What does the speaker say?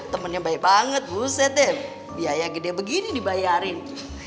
temennya baik banget buset deh biaya gede begini dibayarin